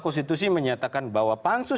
konstitusi menyatakan bahwa pansus